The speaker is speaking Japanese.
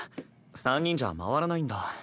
３人じゃまわらないんだ。